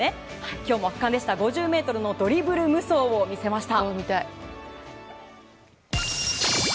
今日も５０ｍのドリブル無双を見せました。